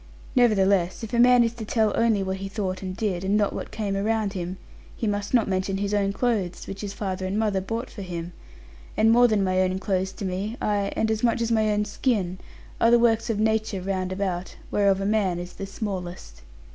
Nevertheless, if a man is to tell only what he thought and did, and not what came around him, he must not mention his own clothes, which his father and mother bought for him. And more than my own clothes to me, ay, and as much as my own skin, are the works of nature round about, whereof a man is the smallest.